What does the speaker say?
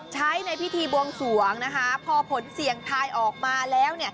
ใช้ในพิธีบวงสวงนะคะพอผลเสี่ยงทายออกมาแล้ว